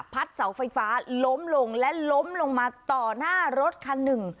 เสาไฟฟ้าล้มลงและล้มลงมาต่อหน้ารถคันหนึ่ง